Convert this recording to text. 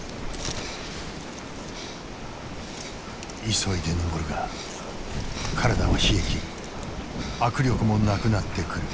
急いで登るが体は冷え切り握力もなくなってくる。